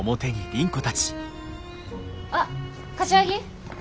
あっ柏木。